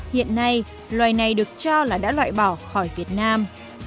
hiện nay loài này được cho là đã loại bỏ khỏi việt nam